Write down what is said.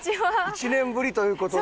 １年ぶりという事で。